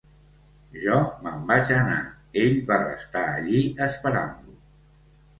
Jo me'n vaig anar: ell va restar allí esperant-lo.